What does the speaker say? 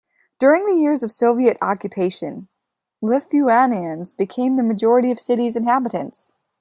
During the years of Soviet occupation, Lithuanians became the majority of city's inhabitants.